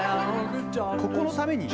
ここのために？